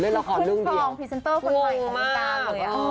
เล่นละครรุ่งเดียว